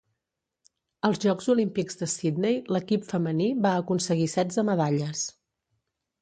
Als Jocs Olímpics de Sidney l'equip femení va aconseguir setze medalles.